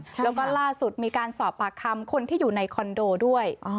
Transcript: แล้วก็ล่าสุดมีการสอบปากคำคนที่อยู่ในคอนโดด้วย